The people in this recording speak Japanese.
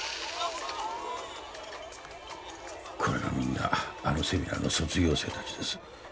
これがみんなあのセミナーの卒業生達です